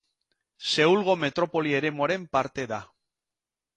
Seulgo metropoli eremuaren parte da.